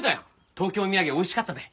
東京土産美味しかったで。